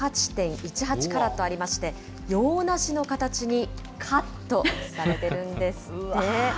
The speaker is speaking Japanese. カラットありまして、洋梨の形にカットされているんですって。